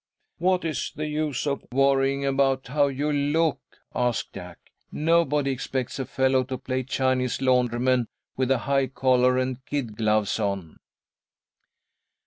"What is the use of worrying about how you look?" asked Jack. "Nobody expects a fellow to play Chinese laundryman with a high collar and kid gloves on."